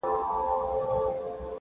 لاره دې په شته لاره باداره ورکه کړې ده